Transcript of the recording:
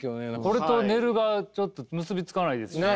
これと寝るがちょっと結び付かないですしね。